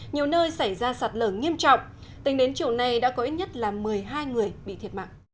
nhiều nơi xảy ra sạt lở nghiêm trọng tính đến chiều nay đã có ít nhất là một mươi hai người bị thiệt mạng